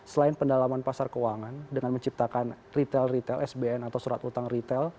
selain pendalaman pasar keuangan dengan menciptakan retail retail sbn atau surat utang retail